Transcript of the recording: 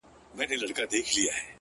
o په دومره سپینو کي عجیبه انتخاب کوي،